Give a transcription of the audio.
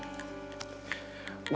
gue masih di warung babe nih